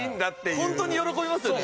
ホントに喜びますよね。